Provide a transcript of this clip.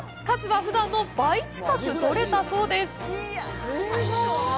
数は、ふだんの倍近く獲れたそうです！